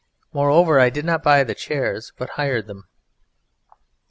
Moreover, I did not buy the chairs, but hired them."